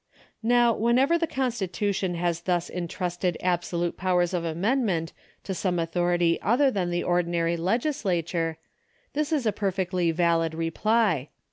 Now, whenever the constitution has thus entrusted absolute powers of amendment to some authoi ity other than the ordinary legislature, this is a perfectly valid rej^ly.